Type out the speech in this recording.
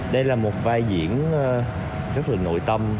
đây là một vai diễn rất là nội tâm